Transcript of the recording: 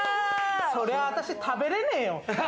そりゃあ、あたし食べれねえよ。